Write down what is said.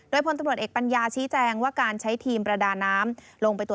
โดยพลตำรวจเอกปัญญาชี้แจงว่าการใช้ทีมประดาน้ำลงไปตัว